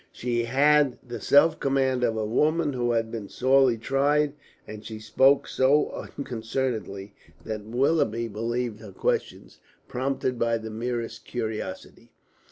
She had the self command of a woman who has been sorely tried, and she spoke so unconcernedly that Willoughby believed her questions prompted by the merest curiosity.